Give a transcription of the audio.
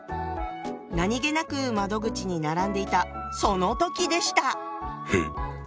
何気なく窓口に並んでいたその時でした。